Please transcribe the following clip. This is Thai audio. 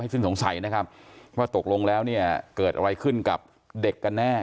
ซึ่งสงสัยนะครับว่าตกลงแล้วเนี่ยเกิดอะไรขึ้นกับเด็กกันแน่